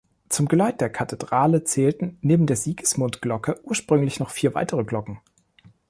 Zum Geläut der Kathedrale zählten neben der "Sigismund-Glocke" ursprünglich noch vier weitere Glocken.